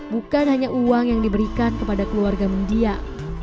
bukan hanya uang yang diberikan kepada keluarga mendiang